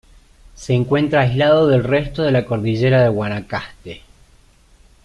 Se encuentra aislado del resto de la cordillera de Guanacaste.